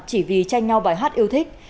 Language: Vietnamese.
chỉ vì tranh nhau bài hát yêu thích